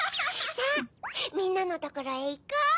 さぁみんなのところへいこう！